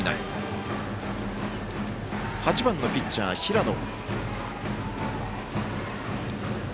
８番、ピッチャーの平野。